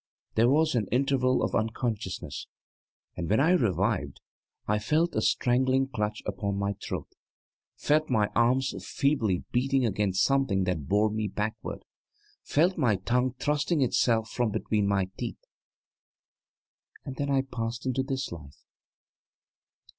There was an interval of unconsciousness, and when I revived I felt a strangling clutch upon my throat felt my arms feebly beating against something that bore me backward felt my tongue thrusting itself from between my teeth! And then I passed into this life.